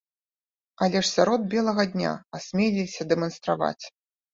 Але ж сярод белага дня асмеліліся дэманстраваць.